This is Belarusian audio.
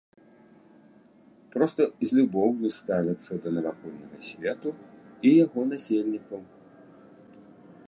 Проста з любоўю ставіцца да навакольнага свету і яго насельнікаў.